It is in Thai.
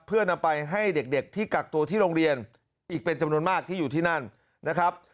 เพื่อนำไปให้เด็กที่กักตัวที่โรงเรียนอีกเป็นจำนวนมากที่อยู่ที่นั่นนะครับ